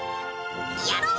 やろう！